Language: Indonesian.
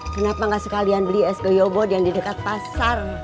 kenapa nggak sekalian beli es goyobot yang di dekat pasar